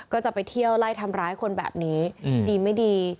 ก็จะไปเที่ยวไล่ทำร้ายคนแบบนี้ดีไม่ดี